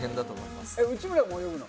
内村君、泳ぐの？